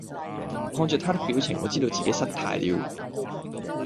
看著他的表情，我知道自己失態了！